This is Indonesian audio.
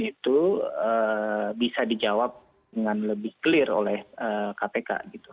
itu bisa dijawab dengan lebih clear oleh kpk gitu